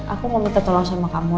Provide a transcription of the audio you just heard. aku mau minta tolong sama kamu